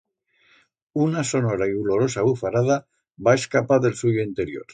Una sonora y ulorosa bufarada va escapar d'el suyo interior.